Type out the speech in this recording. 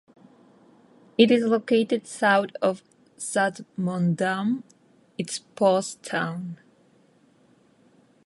It is located south of Saxmundham, its post town.